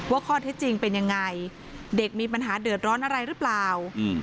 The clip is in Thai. ว่าข้อเท็จจริงเป็นยังไงเด็กมีปัญหาเดือดร้อนอะไรหรือเปล่า